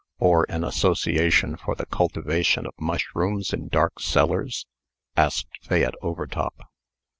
"Or an Association for the Cultivation of Mushrooms in Dark Cellars?" asked Fayette Overtop.